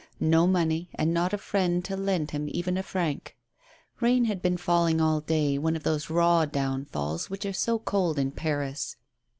No money, and not a friend to lend him even a franc. Eain had been falling all day, one of those raw downfalls which are so cold in Paris.